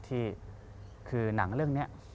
ที่คือหนังเรื่องนี้